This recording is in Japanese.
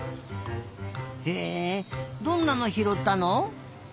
へえどんなのひろったの？